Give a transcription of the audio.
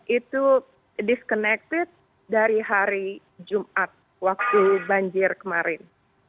itu disconnected dari hari jumat waktu banjir kemarin